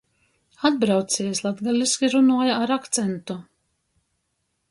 Atbrauciejs latgaliski runuoja ar akcentu.